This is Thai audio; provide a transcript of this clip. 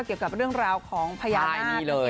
เกี่ยวกับเรื่องราวของพญานาคเลย